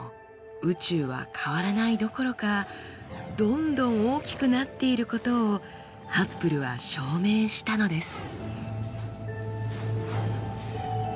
宇宙は変わらないどころかどんどん大きくなっていることをハッブルは証明したのです。